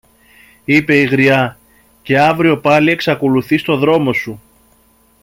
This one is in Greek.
είπε η γριά, και αύριο πάλι εξακολουθείς το δρόμο σου.